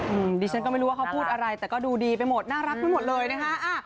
อืมดิฉันก็ไม่รู้ว่าเขาพูดอะไรแต่ก็ดูดีไปหมดน่ารักไปหมดเลยนะคะ